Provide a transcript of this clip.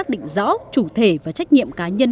định rõ chủ thể và trách nhiệm cá nhân